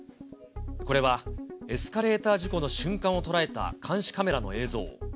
これは、エスカレーター事故の瞬間を捉えた監視カメラの映像。